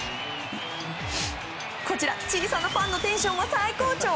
こちら、小さなファンのテンションは最高潮。